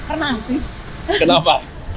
renang sih kenapa